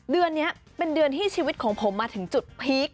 เดือนนี้เป็นเดือนที่ชีวิตของผมมาถึงจุดพีค